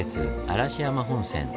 嵐山本線